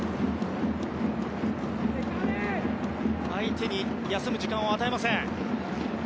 相手に休む時間を与えません。